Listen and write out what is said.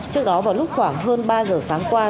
trước đó vào lúc khoảng hơn ba giờ sáng qua